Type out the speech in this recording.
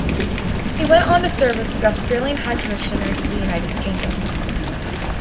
He went on to serve as Australian High Commissioner to the United Kingdom.